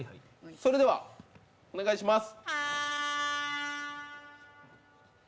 それではお願いします。